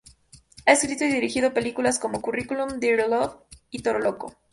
Ha escrito y dirigido películas como Curriculum, Dirty Love y Toro Loco.